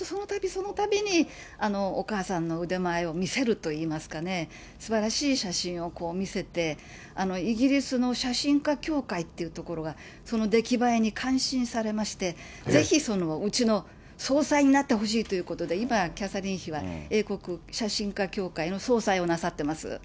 そのたびにお母さんの腕前を見せるといいますかね、すばらしい写真を見せて、イギリスの写真家協会っていうところが、その出来栄えに感心されまして、ぜひその、うちの総裁になってほしいということで、今、キャサリン妃は英国写真家協会の総裁をなさってます。